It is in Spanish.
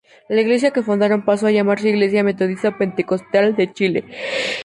La iglesia que fundaron pasó a llamarse Iglesia metodista pentecostal de Chile.